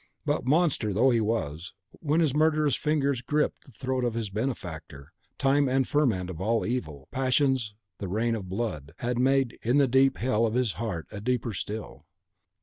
But, monster though he was, when his murderous fingers griped the throat of his benefactor, Time, and that ferment of all evil passions the Reign of Blood had made in the deep hell of his heart a deeper still.